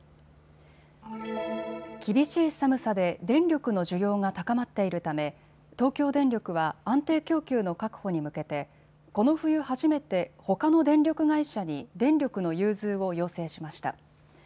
厳しい寒さで電力の需要が高まっているため東京電力は安定供給の確保に向けて、この冬初めてほかの電力会社に電力の融通を要請しました。